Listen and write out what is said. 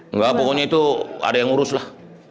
enggak pokoknya itu ada yang ngurus lah